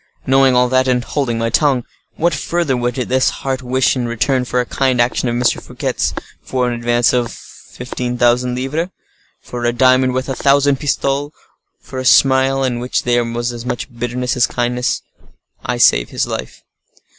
Knowing all that, and holding my tongue, what further would this heart wish in return for a kind action of M. Fouquet's, for an advance of fifteen thousand livres, for a diamond worth a thousand pistoles, for a smile in which there was as much bitterness as kindness?—I save his life."